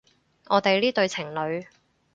我哋呢對情侣